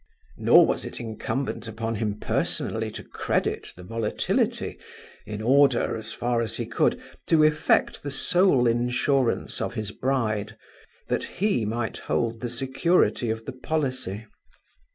Nor was it incumbent upon him personally to credit the volatility in order, as far as he could, to effect the soul insurance of his bride, that he might hold the security of the policy.